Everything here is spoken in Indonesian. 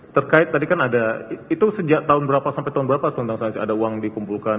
terkait tadi kan ada itu sejak tahun berapa sampai tahun berapa sebenarnya ada uang dikumpulkan